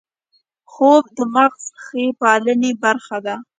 خوب د مغز ښې پالنې برخه ده